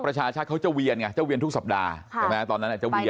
ประชาชาติเขาจะเวี่ยนะจะเวี่ยทุกสัปดาห์รู้ไหมฉันแล้วมี